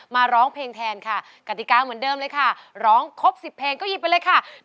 ร้องเพลงแทนค่ะกติกาเหมือนเดิมเลยค่ะร้องครบ๑๐เพลงก็หยิบไปเลยค่ะ